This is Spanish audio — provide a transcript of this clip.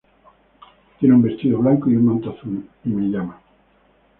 Tiene un vestido blanco y un manto azul y me llama".